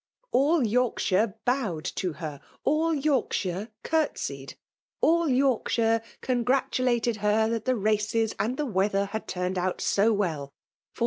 All Yorkidujre bowed to ker, — all Yorkshire curtsied, — idl ITjprksbire eopgi*atulated. her that the races and the weather, had turned out so well ; fofi Mva.